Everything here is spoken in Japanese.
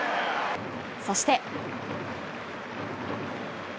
そして。